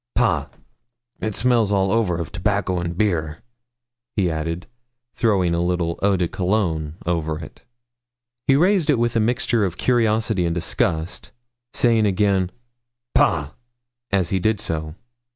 'Pah, it smells all over of tobacco and beer,' he added, throwing a little eau de Cologne over it. He raised it with a mixture of curiosity and disgust, saying again 'pah,' as he did so.